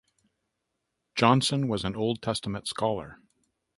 Johnson was an Old Testament scholar.